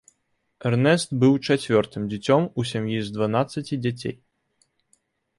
Эрнэст быў чацвёртым дзіцём у сям'і з дванаццаці дзяцей.